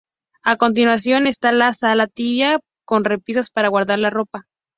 A continuación está la sala tibia con repisas para guardar la ropa.